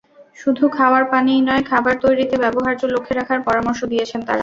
শুধু খাওয়ার পানিই নয়, খাবার তৈরিতে ব্যবহার্য লক্ষ্যে রাখার পরামর্শ দিয়েছেন তাঁরা।